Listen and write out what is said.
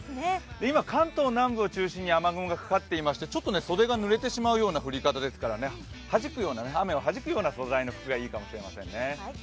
今、関東南部を中心に雨雲がかかっていまして、ちょっと袖がぬれてしまうような降り方ですから雨をはじくような素材の方がいいかもしれませんね。